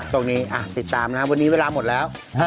ติดตามนะครับวันนี้เวลาหมดแล้ว